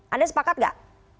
anda sepakat tidak